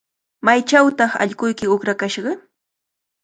¿Maychawtaq allquyki uqrakashqa?